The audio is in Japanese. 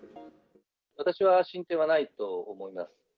私は進展はないと思います。